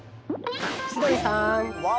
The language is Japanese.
千鳥さん